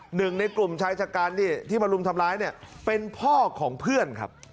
หนึ่งในกลุ่มชายชะกันที่มารุมทำร้ายเนี่ยเป็นพ่อของเพื่อนครับ